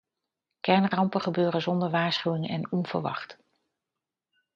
Kernrampen gebeuren zonder waarschuwing en onverwacht.